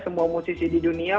semua musisi di dunia